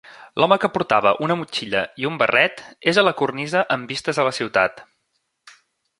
L'home que portava una motxilla i un barret, és a la cornisa amb vistes a la ciutat.